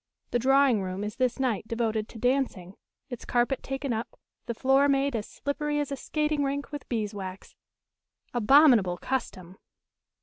The drawing room is this night devoted to dancing; its carpet taken up, the floor made as slippery as a skating rink with beeswax abominable custom!